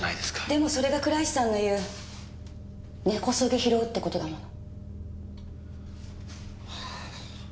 でもそれが倉石さんの言う根こそぎ拾うってことだもん。